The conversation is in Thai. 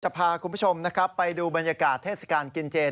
จะพาคุณผู้ชมไปดูบรรยากาศเทศกาลกินเจน